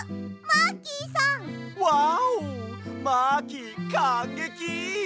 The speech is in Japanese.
マーキーかんげき！